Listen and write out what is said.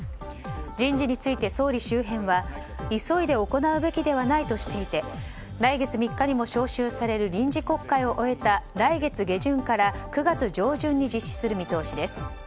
人事について総理周辺は急いで行うべきではないとしていて来月３日も召集される臨時国会を終えた来月下旬から９月上旬に実施する見通しです。